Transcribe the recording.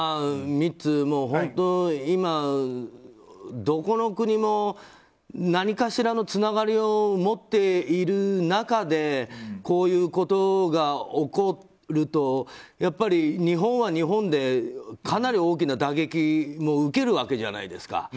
ミッツ、本当、今どこの国も何かしらのつながりを持っている中でこういうことが起こると日本は日本でかなり大きな打撃も受けるわけじゃないですか。